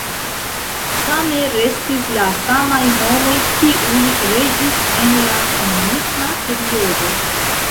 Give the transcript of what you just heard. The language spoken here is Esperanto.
Same restis la samaj homoj, kiuj regis en la komunisma periodo.